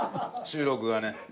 収録がね。